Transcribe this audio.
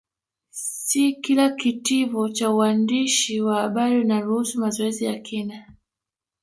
Si kila Kitivo cha uandishi wa habari inaruhusu mazoezi ya kina